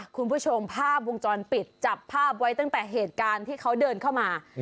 คุณผู้ชมภาพวงจรปิดจับภาพไว้ตั้งแต่เหตุการณ์ที่เขาเดินเข้ามา